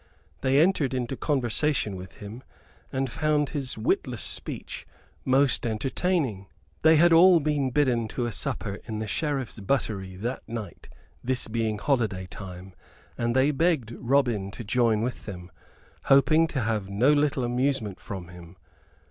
They entered into conversation with him, and found his witless speech most entertaining. They had all been bidden to a supper in the Sheriff's buttery that night, this being holiday time; and they begged Robin to join with them, hoping to have no little amusement from him.